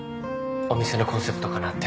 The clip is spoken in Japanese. お店のコンセプトかなって。